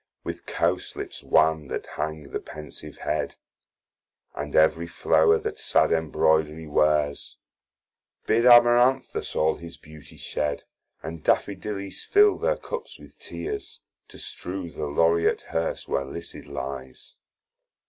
With Cowslips wan that hang the pensive hed, And every flower that sad embroidery wears: Bid Amaranthus all his beauty shed, And Daffadillies fill their cups with tears, To strew the Laureat Herse where Lycid lies.